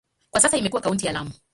Kwa sasa imekuwa kaunti ya Lamu.